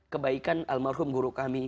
kebaikan almarhum guru kami